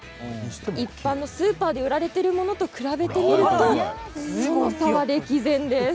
一般のスーパーで売られているものと比べてみるとその差は歴然です。